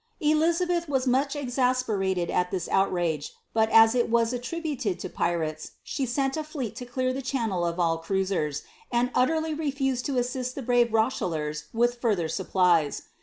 was much exasperated at this outrage; but as it was at irates, she sent a fleet to clear the channel of all cruisers, efused to assist the brave Kochellers with further supplies.